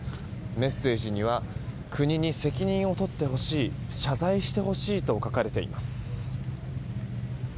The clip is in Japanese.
メッセージには国に責任を取ってほしい謝罪してほしいと書かれています。